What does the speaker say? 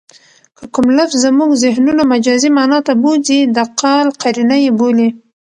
که کوم لفظ زمونږ ذهنونه مجازي مانا ته بوځي؛ د قال قرینه ئې بولي.